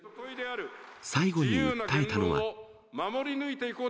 最後に訴えたのは。